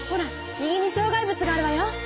右にしょう害物があるわよ！